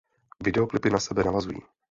Videoklipy na sebe navazují.